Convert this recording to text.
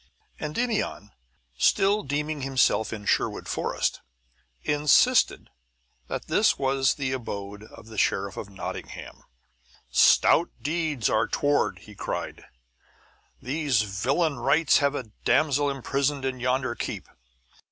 Endymion, still deeming himself in Sherwood Forest, insisted that this was the abode of the Sheriff of Nottingham. "Stout deeds are toward!" he cried. "These villain wights have a damsel imprisoned in yonder keep!"